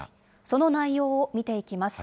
その内容を見ていきます。